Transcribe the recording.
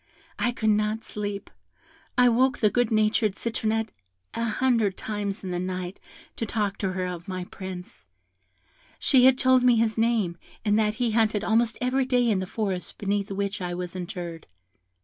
I could not sleep; I woke the good natured Citronette an hundred times in the night to talk to her of my Prince; she had told me his name, and that he hunted almost every day in the forest beneath which I was interred.